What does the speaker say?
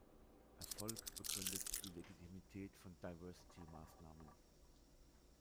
Erfolg begründet die Legitimität von Diversity-Maßnahmen.